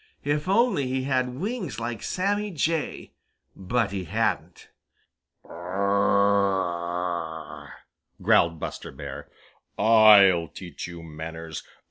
If only he had wings like Sammy Jay! But he hadn't. "Gr r r r!" growled Buster Bear. "I'll teach you manners!